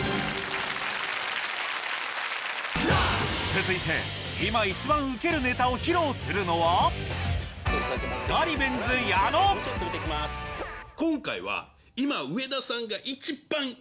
続いて今一番ウケるネタを披露するのは今回は今上田さんが。